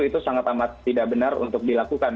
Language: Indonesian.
itu sangat amat tidak benar untuk dilakukan